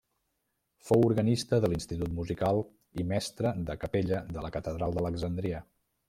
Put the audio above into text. Fou organista de l'Institut Musical i mestre de capella de la catedral d'Alexandria.